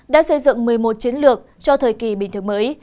đã xây dựng một mươi một chiến lược cho thời kỳ bình thường mới